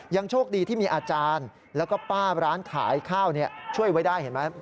โชคดีที่มีอาจารย์แล้วก็ป้าร้านขายข้าวช่วยไว้ได้เห็นไหม